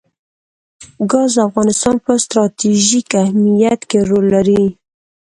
ګاز د افغانستان په ستراتیژیک اهمیت کې رول لري.